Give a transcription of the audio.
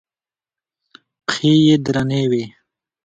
پښې يې درنې وې.